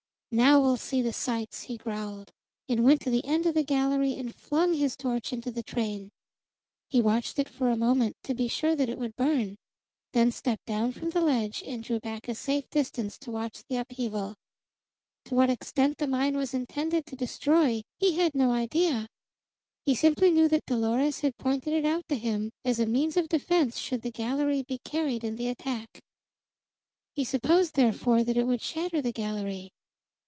"Now we'll see the sights!" he growled, and went to the end of the gallery and flung his torch into the train. He watched it for a moment, to be sure that it would burn, then stepped down from the ledge and drew back a safe distance to watch the upheaval. To what extent the mine was intended to destroy he had no idea. He simply knew that Dolores had pointed it out to him as a means of defense should the gallery be carried in the attack. He supposed, therefore, that it would shatter the gallery.